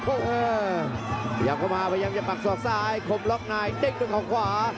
โอ้โหพยายามเข้ามาพยายามจะปักศอกซ้ายคมล็อกนายเด้งด้วยเขาขวา